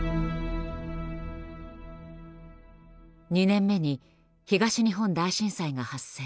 ２年目に東日本大震災が発生。